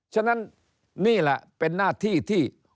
ฉะนั้นนี่แหละเป็นหน้าที่ที่